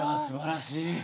すばらしい！